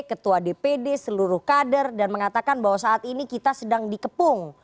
ketua dpd seluruh kader dan mengatakan bahwa saat ini kita sedang dikepung